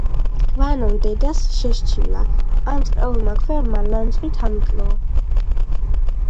ვანომ დედადდს შესჩივლა: ამ წყეულმა ქვევრმა ლანძღვით ამიკლოო